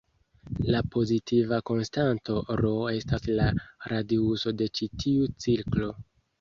La pozitiva konstanto "r" estas la radiuso de ĉi tiu cirklo.